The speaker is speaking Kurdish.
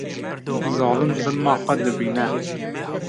Zalim zilma xwe dibîne